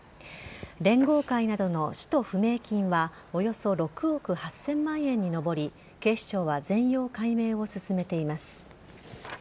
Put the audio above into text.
連合会などの使途不明金はおよそ６億８０００万円に上り警視庁は全容解明を進めています。